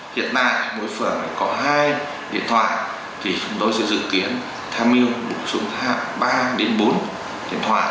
hiện tại mỗi phường có hai điện thoại thì chúng tôi sẽ dự kiến tham mưu bổ sung thêm ba đến bốn điện thoại